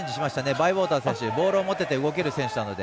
バイウォーターボールを持っていて動ける選手なので。